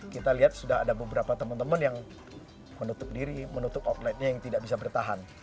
kita lihat sudah ada beberapa teman teman yang menutup diri menutup outletnya yang tidak bisa bertahan